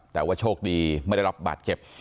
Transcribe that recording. แต่ว่าโชคดีไม่ได้รับบาดเจ็บ